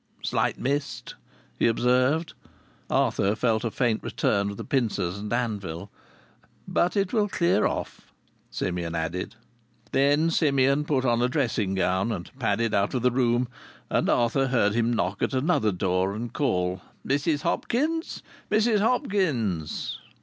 "Slight mist," he observed. Arthur felt a faint return of the pincers and anvil. "But it will clear off," Simeon added. Then Simeon put on a dressing gown and padded out of the room, and Arthur heard him knock at another door and call: "Mrs Hopkins, Mrs Hopkins!"